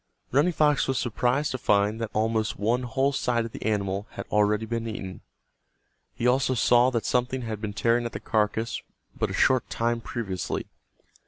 Running Fox was surprised to find that almost one whole side of the animal had already been eaten. He also saw that something had been tearing at the carcass but a short time previously.